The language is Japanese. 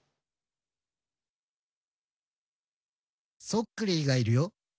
そっクリーがいるよ